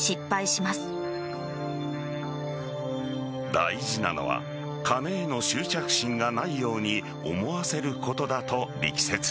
大事なのは金への執着心がないように思わせることだと力説。